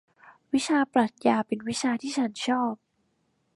วิชาปรัขญาเป็นวิชาที่ฉันชอบ